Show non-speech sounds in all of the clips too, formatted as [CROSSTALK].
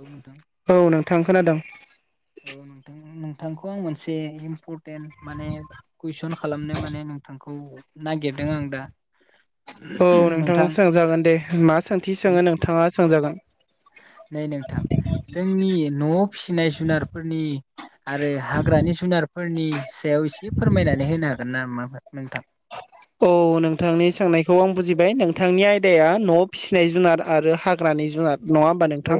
औ नोंथां औ नोंथां खोनादों । औ नोंथां नोंथांखौ आं मोनसे इमपर माने कुइसन खालामनो माने नोंथांखौ औ औ नोंथां सोंजागोन दे मा सोंथि सोङो नोंथाङा सोंजागोन । नै नोंथां जोंनि न'आव फिसिनाय जुनारफोरनि आरो हाग्रानि जुनारफोरनि सायाव एसे फोरमायनानै होनो हागोन ना नामा मो नोंथां औ नोंथांनि सोंनायखौ आं बुजिबाय नोंथांनि आयदाया न' फिसिनाय जुनार आरो हाग्रानि जुनार नङा होमबा नोंथां औ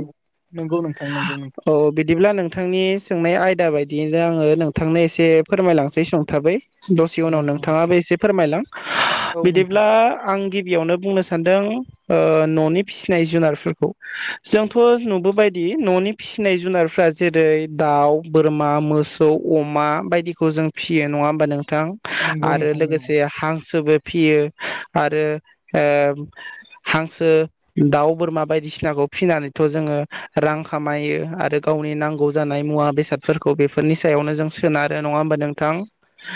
नंगौ नोंथां नंगौ नोंथां औ बिदिब्ला नों नोंथांनि सोंनाय आयदा बायदियैनो आङो नोंथांनो एसे फोरमायलांनोसै सोंथाबै दसे उनाव नंगौ नोंथाङाबो एसे फोरमायलां औ नोंथां बिदिब्ला आं गि गिबियावनो बुंनो सानदों ओ न'नि फिसिनाय जुनारफोरखौ जोंथ' नुबोबायदि न'नि फिसिनाय जुनारफ्रा जेरै दाउ, बोरमा, मोसौ, अमा बायदिखौ जों फिसियो नङा होमबा नों थां नंगौ आरो नोंथां नंगौ लोगोसे हांसोबो फियो आरो ओ हांसो, दाउ, बोरमा बायदिसिनाखौ फिनानैथ' जोङो रां खामायो आरो गावनि नांगौ जानाय मुवा बेसादफोरखौ बेफोरनि सायावनो जों सोनारो नङा होमबा नोंथां?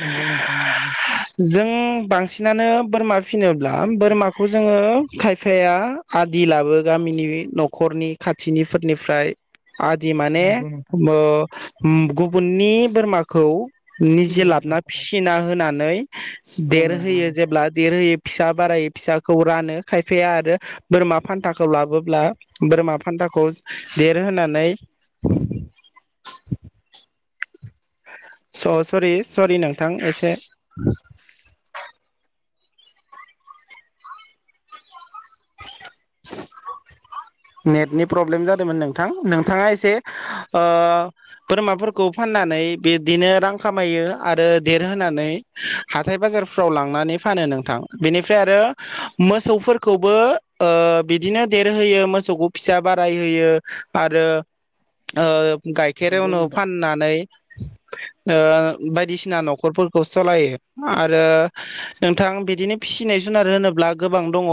नंगौ नोथां नंगौ । जों बांसिनानो बोरमा फिनोब्ला बोरमाखौ जोङो फाया आदि लाबो गामिनि न'खरनि खाथिनिफोरनिफ्राय आदि माने नंगौ नोंथां मो उम गुबुननि बोरमाखौ निजे फिनो लाबोना न'खराव फिसिना होना नै औ नंगौ देरहोयो नोंथां जेब्ला देरहोयो फिसा बारायो फिसाखौ रानो खायफाया आरो बोरमा फान्थाखौ लाबोब्ला बोरमा फान्थाखौ देरहोनानै स सरि सरि नोंथां एसे [INAUDIBLE] नेटनि प्रब्लेम जादोंमोन नोंथां। नोंथाङा एसे ओ बोरमाफोरखौ फाननानै बिदिनो रां खामायो आरो देरहोनानै हाथाय बाजारफ्राव लांनानै फानो नोंथां। बेनिफ्राय आरो मोसौफोरखौबो ओ बिदिनो देरहोयो मोसौखौ फिसा बारायहोयो आरो ओ नंगौ गाइखेरोवनो नोंथां फाननानै ओ बायदिसिना न'खरफोर खौ सालायो आरो नोंथां बिदिनो फिसिनाय जुनार होनोब्ला गोबां दङ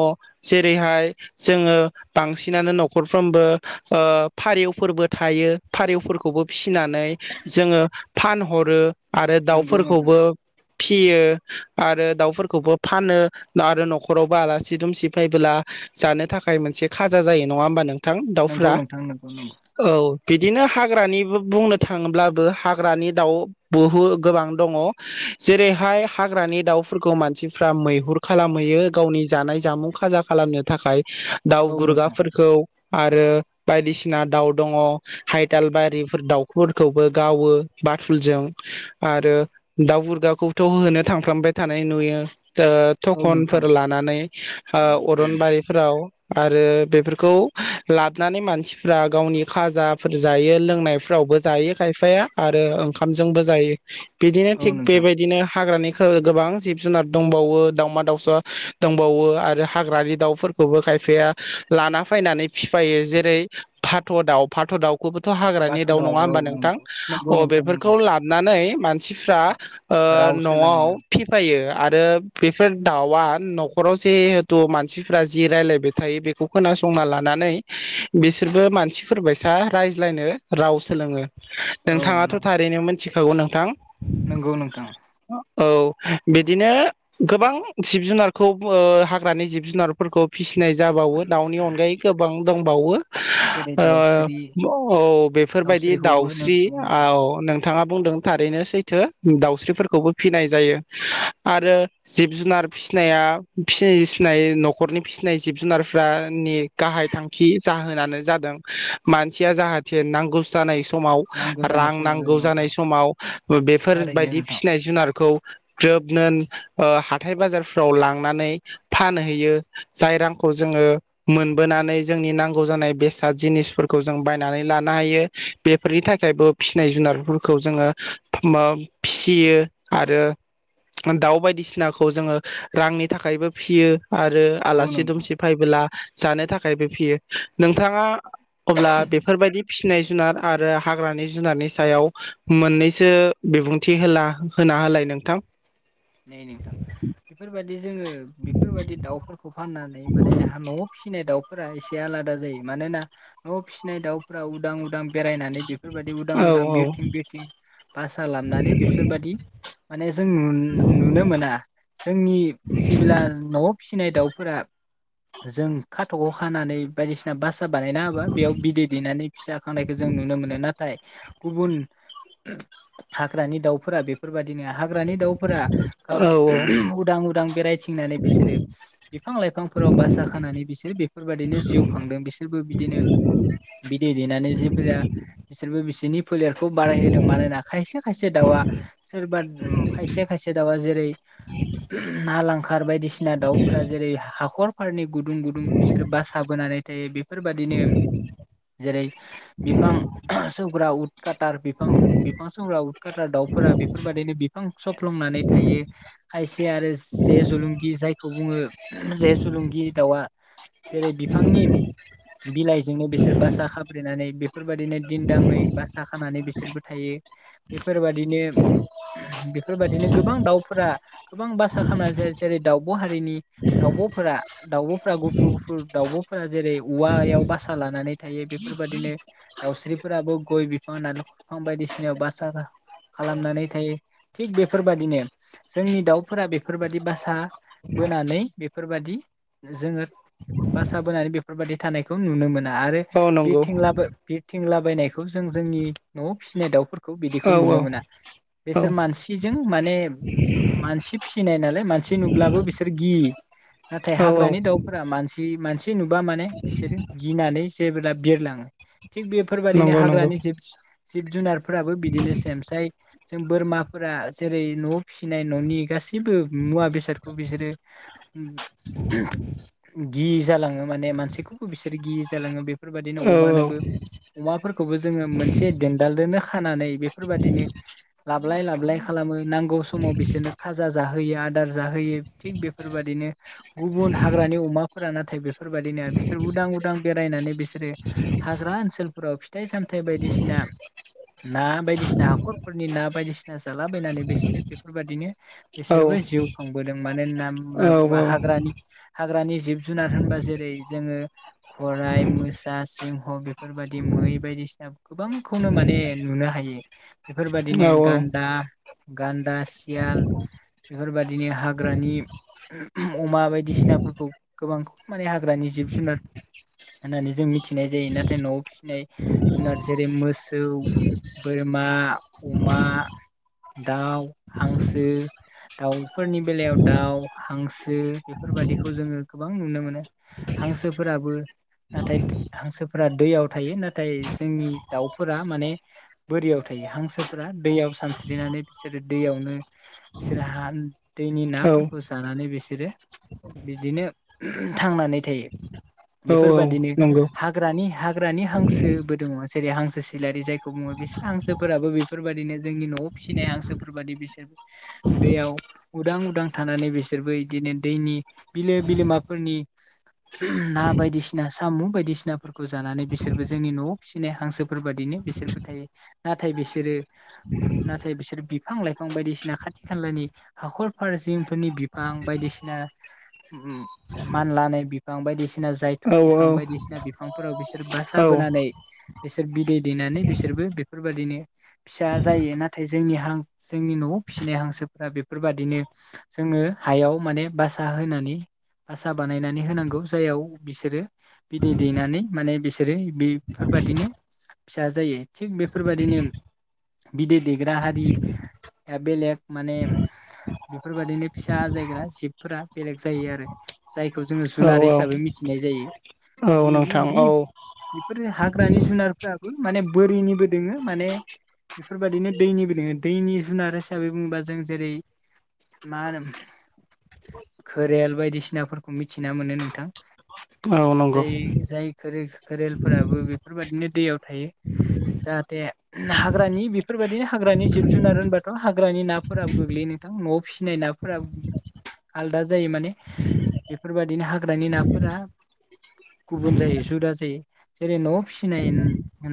जेरैहाय जोङो बांसिन बिदिनानो न'खरफ्रोमबो ओ फारिउफोरबो थायो फारिउफोरखौबो फिनानै जोङो फानहरो आरो नंगौ नोंथां दाउफोरखौबो फि फियो आरो दाउफोरखौबो फानो आरो न'खरावबो आलासि दुमसि फैबोला जानो थाखाय मोनसे खा खाजा जायो नङा होनबा नों नोंथां नंगौ दाउफोरा नोंथां नंगौ नंगौ औ। बिदिनो हाग्रानि बुंनो थाङोब्लाबो हाग्रानि दाउ बुहु गोबां दङ, जेरैहाय हाग्रानि दाउफोरखौ मानसिफ्रा मैहुर खालामहैयो गावनि जानाय जामुं खाजा खालामनो थाखाय। औ नोंथां गुरगाफोरखौ आरो बायदिसिना दाउ दङ' हायदालबारिफोर दाउफोरखौबो गावो बाथुलजों आरो दाउ बुरगाखौथ' होनो थांफ्रामबाय थानाय नुयो। ओ औ नोंथां थखनफोर लानानै ओ अरनबारिफोराव आरो बेफोरखौ लाबोनानै मानसिफ्रा गावनि खाजाफोर जायो लोंनायफ्रावबो जायो खायफाया आरो ओंखामजोंबो जायो। बिदिनो औ थिग नोंथां बेबायदिनो हाग्रानि ओ गोबां जिब जुनार दंबावो दावमा दाउसा दंबावो आरो हाग्रानि दाउफोरखौबो खाय खायफाया लाना फैनानै फिफायो जेरै फाथ' दाउ फाथ' दाउ बेफोरबोथ' हाग्रानि बाथ' दाउ नङा दहाबो औ होमबा नोंथां? नंगौ नंगौ अ नोंथां नंगौ बेफोरखौ लाबोनानै मानसिफ्रा ओ राव सोलोंनो न'आव फिफायो आरो बेफोर दाउआ न'खराव जिहेथु मानसिफ्रा जि रायलायबाय थायो बेखौ खोनासंना लानानै बिसोरबो मानसिफोरबायसा रायज्लायनो राव सोलोङो। औ नोंथाङाथ' थारैनो मोन थिखागौ नोंथां। नंगौ नोंथां। औ बिदिनो गोबां जिब जुनारखौ ओ हाग्रानि जिब जुनारफोरखौ फिसि जाबावो दाउनि अनगायै गोबां दंबावो। जेरै दाउस्रि ओ औ बेफोरबायदि दाउस्रिखौबो दाउस्रि नोंगौ नोंथां औ नों नोंथाङा बुंदों थारैनो सैथो दाउस्रिफोरखौबो फिसिनाय जायो आरो जिब जुनार फिसिनाया फिसिनाय न'खरनि फिसि नाय जिब जुनारफोरा नि गाहाय थांखि जाहोनानो जादों मानसिया जाहाथे नांगौ जानाय समाव नांगौ जानाय रां समाव औ नांगौ जानाय नोंथां समाव थारैनो बेफोरबायदि नोंथां फिसिनाय जुनारखौ ग्रोबनो ओ हाथाय बाजारफ्राव लांनानै फानहैयो जाय रांखौ जोङो मोनबोनानै जोंनि नांगौ जानाय बेसाद जिनिसफोरखौ जों बायनानै लानो हायो बेफोरनि थाखायबो फिसिनाय जुनारफोरखौ जोङो मो फिसियो आरो दाउ बायदिसिनाखौ जोङो रांनि थाखायबो फिसियो। आरो औ आला सि नोंथां दुमसि फायबोला जानो थाखायबो फियो। नोंथाङा अब्ला बेफोरबायदि फिसिनाय जुनार आरो हाग्रानि जुनारनि सायाव मोननैसो बिबुंथि होला होना होलाय नोंथां नै नोंथां बेफोरबादि जोङो बेफोरबादि दाउफोरखौ फानना नै माने हा न'आव फसिनाय दाउ फोरा एसे आलादा जायो मानोना न'आव फिसिनाय दाउफोरा उदां उदां बेरायनानै बेफोरबादि उदां औ औ उदां बिरथिं बिरथिं भासा लामनानै बेफोरबादि माने जों नुनो मोना जोंनि जेब्ला न'आव फिसिनाय दाउफोरा जों खाथ'ख' खानानै बायदिसिना बासा बानायना होबा बेयाव बिदै दैनानै फिसा खांनायखौ जों नुनो मोनो नाथाय गुबुन हाग्रानि दाउफोरा बे फोरबादिनो हाग्रानि दाउफोरा औ ओ उदां उदां बेरायथिंनानै बिसोरो बिफां लाइफांफोराव बासा खानानै बिसोर बेफोरबादिनो जिउ खांदों बिसोरबो बिदिनो बिदै दैनानै जेफोरा बिसोरबो बिसोरनि फोलारखौ बारायहोदों मानोना खायसे खायसे दाउआ सोरबा उम खायसे खायसे दाउआ जेरै ना लांखार बायदिसिना दाउफोरा जेरै हाखरफोरनि गुदुं गुदुं बिसोर बासा बोनानै थायो बेफोरबादिनो जेरै बिफां सौग्रा उदकाटार बिफां-बिफां सौग्रा उदखाटार दाउफोरा बेफोरबादिनो बिफां स फ्लंनानै थायो खायसे आरो जे जलुंगि जायखौ बुङो जे जुलुंगि दाउआ जेरै बिफांनि बिलाइजोंनो बिसोर बा सा खाब्रेनानै बेफोरबादिनो दिन्दाङै बासा खानानै बिसोरबो थायो बेफोरबादिनो बेफोरबादिनो गोबां दाउफोरा गोबां बासा खामनानै जायो जेरै दाउब' हारिनि दाउब'फोरा-दाउब'फोरा गुफुर गुफुर दाउब'फोरा जेरै उवायाव बासा लानानै थायो बेफोरबादिनो दाउस्रिफोराबो गय बिफां नालेखर बिफां बायदिसिनायाव बासा ला खालामनानै थायो। थिग बेफोरबादिनो जोंनि दाउफोरा बेफोरबादि बासा बोनानै बेफोरबादि जोङो बासा बोनानै बेफोरबादि थानायखौ नुनो मो ना आरो औ [UNINTELLIGIBLE] नंगौ थिंला बायनायखौ जों जोंनि न'आव फिसिनाय दाउफोर खौ बिदिखौ औ नुनो औ मोना। बेसोर औ मानसि जों माने मानसि फिसिनाय नालाय मानसि नुब्लाबो बिसोर गियि नाथाय औ औ हाग्रानि दाउ फोरा मानसि-मानसि नुबा माने बिसोरो गिनानै जेबोला बिरलाङो थिग बेफोरबादिनो नंगौ नंगौ हाग्रानि जिब जिब जुनारफोराबो बिदिनो सेम साय जों बोरमा फोरा‌ जेरै न'आव फिसिनाय न'नि गासिबो मुवा बेसादखौ बिसोरो गियि जालाङो माने मानसिखौबो बिसोर गियि जालाङो बे फोरबादिनो औ अमानोबो अमाफोरखौबो जोङो मोनसे दोन्दालजोंनो खानानै बेफोरबायदिनो लाबलाय ला बोलाय खालामो। नांगौ समाव बिसोरनो खाजा जाहोयो आदार जाहोयो। थिग बेफोरबादिनो गुबुन हाग्रानि अमाफोरा नाथाय बेफोरबादिनो नङा। बिसोर उदां उदां बेरायनानै बिसोरो हाग्रा ओनसोलफोराव फिथाइ सामथाइ बायदिसिना ना बायदिसिना हाखरफोरनि ना बायदिसि ना जालाबायनानै बिसोरो बेफोरबादिनो औ बिसोरबो जिउ खांबोदों मानो होनना होनना बुङोबा हाग्रानि हाग्रानि जिब जुनार होनबा जेरै जोङो खराइ, मोसा, सिंह बेफोरबादि मै बायदिसिना गोबांखौनो माने नुनो हायो। औ बेफोरबादिनो गान गान्दा, सियाल बेफोरबादिनो हाग्रानि अमा बायदिसिनाफोरखौ गोबांखौ माने हाग्रानि जिब जुनार होननानै जों मिथिनाय जायो नाथाय न'आव फिसिनाय जुनार जेरै मोसौ, बोरमा, अमा दाउ, हांसो दाउफोरनि बेलायाव दाउ, हांसो बेफोरबायादिखौ जोङो गोबां नुनो मोनो। हांसोफोराबो नाथाय हांसोफोरा दैयाव थायो नाथाय जोंनि दाउफोरा माने बोरियाव थायो। हांसोफोरा दैयाव सान स्रिनानै बिसोरो दैयावनो बिसोरो हा दैनि नाफोरखौ जानानै बि सोरो बिदिनो थांनानै थायो। औ औ बेफोरबादिनो नंगौ हाग्रानि हा ग्रानि हांसोबो दङ। जेरै हांसो सिलारि जायखौ बुङो बिसोर हांसोफोराबो बेफोरबादिनो जोंनि न'आव फिसिनाय हांसोफोर बादि बिसोर दैयाव उदां उदां थानानै बिसोरबो बिदिनो दैनि बिलो बिलोमाफोरनि ना बायदिसिना साम' बायदिसिनाफोरखौ जानानै बिसोरबो जोंनि न'आव फिसिनाय हांसोफोर बादिनो बिसोरबो थायो। नाथाय बिसोरो नाथाय बिसोर बिफां लाइफां बायदिसिना खाथि खालानि हाखर फारसिंफोरनि बिफां बायदिसिना मानलानाय बिफां बायदिसिना जायथुब औ बिफां बायदिसिना बिफांफोराव बिसोर बासा औ बोनानै बिसोर बिदै दैनानै बिसोरबो बेफोरबायदिनो फिसा जायो। ना थाय जोंनि हां जोंनि न'आव फिसिनाय हांसोफ्रा बेफोरबादिनो जोङो हायाव माने बासा होनानै बासा बानायनानै होनांगौ जाययाव बिसोरो बिदै दैनानै माने बिसोरो बेफोरबादिनो फिसा जायो। थिग बेफोरबायदिनो बिदै दैग्रा हारिया बेलेग माने बेफोरबादिनो फिसा आजायग्रा जिबफोरा बेलेग जायो आरो। जायखौ जोङो औ जुनार हिसाबै मिथिनाय जायो। औ नोंथां औ [UNINTELLIGIBLE] बिफोरो हा ग्रानि जुनारफ्राबो माने बोरिनिबो दोङो माने बेफोरबायदिनो दैनिबो दोङो। दैनि जुनार हिसाबै बुङोबा जों जेरै मा होनो घोरेल बायदिसिनाफोरखौ मिथिना मोनो नोंथां। औ सै नंगौ जाय घोलेर घोरेलफोराबो बेफोरबायदिनो दैयाव थायो। जाहाथे हाग्रानि बेफोरबादिनो हाग्रानि जिब जुनार होनबाथ' हाग्रानि नाफोराबो गोग्लैयो नोंथां। न'आव फिसिनाय नाफोरा आलदा जायो माने बेफोरबादिनो हाग्रानि नाफोरा गुबुन जायो जदा जायो। जेरै न'आव फिसिनाय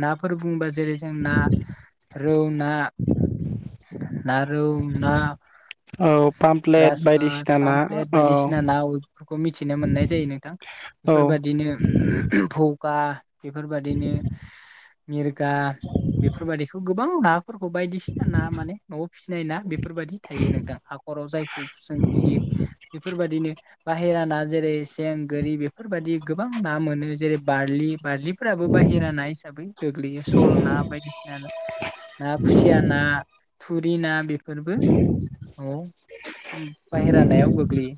नाफोर बुंबा जेरै जों ना, रौ ना ना रौ ना औ पामप्लेट ग्रास काट, बायदिसिना ना पामप्लेट औ बायदिसिना नाफोरखौ मिथिनो मोननाय जायो नोंथां। औ बेफोरबादिनो भौ गा बेफोरबादिनो मिरगा बेफोरबादिखौ गोबां नाफोर खौ बायदिसिना ना माने न'आव फिसिनाय ना बेफोरबायाददि थायो नोंथां हाखराव जायखौ जों फियो बेफोरबायदिनो बाहेरा ना जेरै सें, गोरि बेफोरबायदि गोबां ना मोनो जेरै बारलि, बारलिफोराबो बाहेरा ना हिसाबै गोग्लैयो सल ना बायदिसिना ना खुसिया ना, थुरि ना बेफोरबो ओम बाहेरा नायाव गोग्लैयो।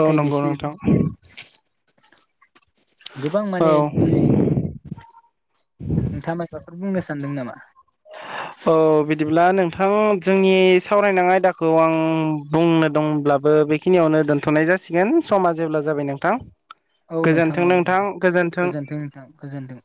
औ नंगौ बिसोर नोंथां। गोबां औ माने नोंथाङा माबाफोर बुंनो सानदों नामा? औ बिदिब्ला नोंथां जोंनि सावरायनाय आयदाखौ आं बुंनो दंब्लाबो बेखिनियावनो दोनथ'नाय जासिगोन समा जेब्ला जाबाय नोंथां। औ नोंथां गोजोन्थों औ नोंथां गोजोन्थों गोजोनथों नोंथां गोजोनथों।